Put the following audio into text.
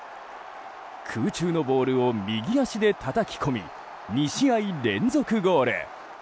空中のボールを右足でたたき込み２試合連続ゴール。